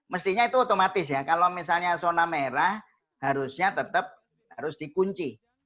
mestinya itu otomatis ya kalau misalnya zona merah harusnya tetap harus dikunci